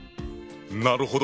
なるほど！